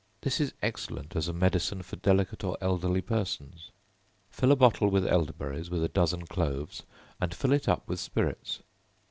This is excellent as a medicine for delicate or elderly persons. Fill a bottle with elderberries, with a dozen cloves, and fill it up with spirits.